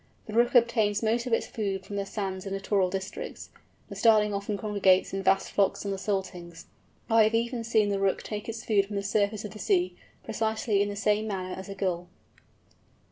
The Rook obtains much of its food from the sands in littoral districts; the Starling often congregates in vast flocks on the saltings. I have even seen the Rook take its food from the surface of the sea, precisely in the same manner as a Gull.